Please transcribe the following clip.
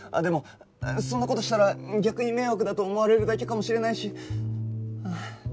でもそんな事したら逆に迷惑だと思われるだけかもしれないし。